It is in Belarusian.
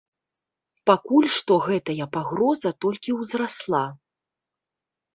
Пакуль што гэтая пагроза толькі ўзрасла.